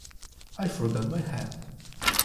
I forgot my hat.